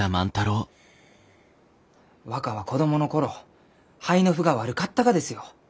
若は子どもの頃肺の腑が悪かったがですよ。